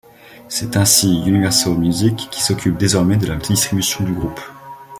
C'est ainsi Universal Music qui s'occupe désormais de la distribution du groupe.